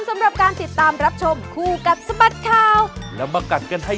สวัสดีครับสวัสดีค่ะ